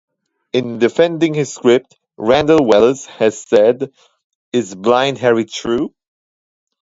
In defending his script, Randall Wallace has said, Is Blind Harry true?